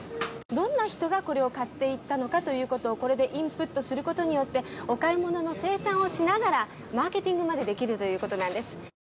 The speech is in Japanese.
どんな人がこれを買っていったのかということをこれでインプットすることによってお買い物の精算をしながらマーケティングまでできるということなんです。